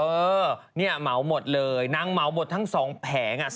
ทีนี้หมวงหมดเลยนางหมวงหมดทั้งสองแผง